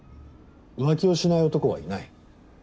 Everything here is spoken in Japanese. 浮気をしない男はいない。